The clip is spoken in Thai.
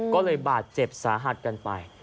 ก็เลยบาดเจ็บสาหัสกันไป